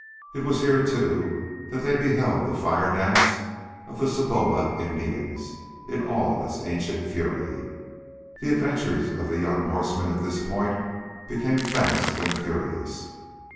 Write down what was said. It was here, too, that they beheld the fire dance of the Saboba Indians in all its ancient fury. The adventures of the young horsemen at this point became fast and furious.